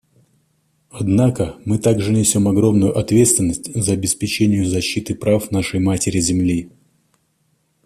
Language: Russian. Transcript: Однако мы также несем огромную ответственность за обеспечение защиты прав нашей Матери-Земли.